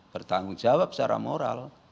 bertanggung jawab secara moral